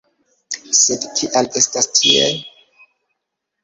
Sed kial estas tiel?